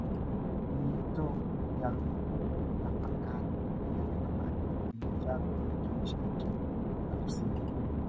Mito ya Lumi na Pangani inabeba maji ya Kilimanjaro kuelekea mashariki na kusini